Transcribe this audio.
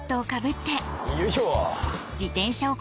よいしょ！